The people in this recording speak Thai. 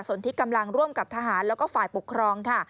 ส่วนที่กำลังร่วมกับทหารแล้วก็ฝ่ายปกครองค่ะ